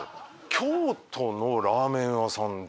京都のラーメン屋さんで。